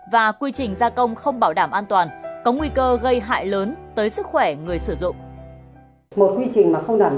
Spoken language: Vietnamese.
và quy trình gia công không bảo đảm an toàn có nguy cơ gây hại lớn tới sức khỏe người sử dụng